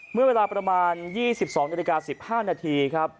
เมื่อเวลาประมาณ๒๒๑๕นครับ